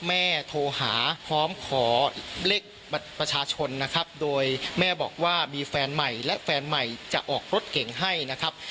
แม่โทรหาพร้อมขอเลขบัตรประชาชนนะครับโดยแม่บอกว่ามีแฟนใหม่และแฟนใหม่จะออกรถเก่งให้นะครับ